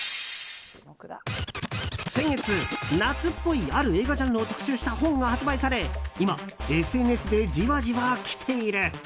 先月、夏っぽいある映画ジャンルを特集した本が発売され今、ＳＮＳでじわじわきている。